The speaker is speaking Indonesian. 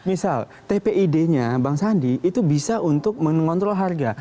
misal tpid nya bang sandi itu bisa untuk mengontrol harga